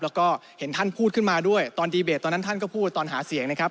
แล้วก็เห็นท่านพูดขึ้นมาด้วยตอนดีเบตตอนนั้นท่านก็พูดตอนหาเสียงนะครับ